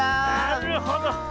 なるほど。